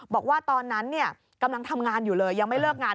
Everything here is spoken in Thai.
บอกว่าตอนนั้นกำลังทำงานอยู่เลยยังไม่เลิกงาน